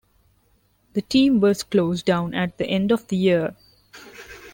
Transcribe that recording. The team was closed down at the end of the year.